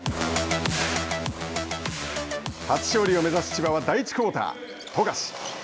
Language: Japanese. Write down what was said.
初勝利を目指す千葉は第１クオーター富樫。